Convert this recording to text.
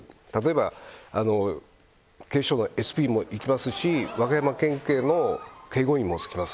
警視庁がＳＰもいきますし和歌山県警の警護員もつきます。